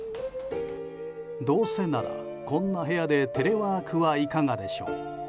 どうせなら、こんな部屋でテレワークはいかがでしょう。